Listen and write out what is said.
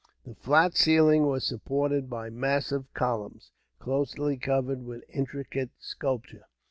The flat ceiling was supported by massive columns, closely covered with intricate sculpture.